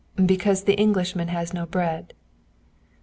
"Because the Englishman has no bread."